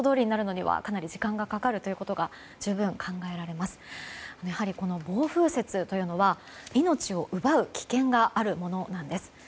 やはりこの暴風雪というのは命を奪う危険があるものなんです。